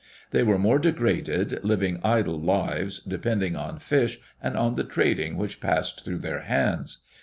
They were more degraded, living idle lives, depending on fish, and on the trading which passed through their hands.